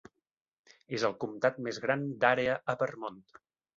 És el Comtat més gran d'àrea a Vermont.